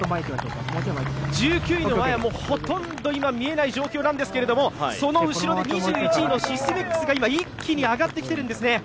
１９位の前はほとんど今見えない状況なんですがその後ろで２１位のシスメックスが今、一気に上がってきているんですね。